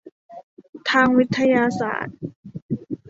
ทางวิทยาศาสตร์